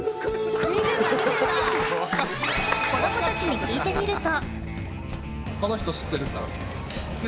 子供たちに聞いてみると。